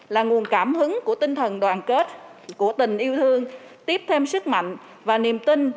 là nguồn cảm hứng của tinh thần đoàn kết của tình yêu thương tiếp thêm sức mạnh và niềm tin